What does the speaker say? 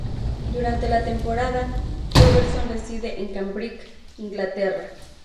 Durante la temporada, Robertson reside en Cambridge, Inglaterra.